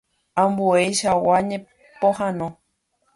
Ambueichagua ñepohãno.